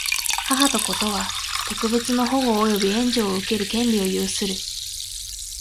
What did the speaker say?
母と子とは、特別の保護及び援助を受ける権利を有する。